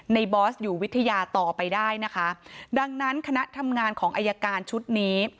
บอสอยู่วิทยาต่อไปได้นะคะดังนั้นคณะทำงานของอายการชุดนี้